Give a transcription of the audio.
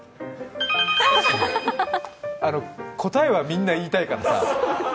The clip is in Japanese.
あの、答えはみんな言いたいからさ。